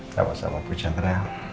sama sama bu chandra